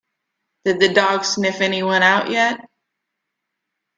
Did the dog sniff anyone out yet?